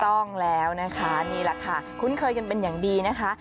ต้องแล้วนะคะนี่แหละค่ะคุ้นเคยกันเป็นอย่างดีนะคะ